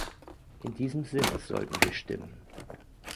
In diesem Sinne sollten wir stimmen.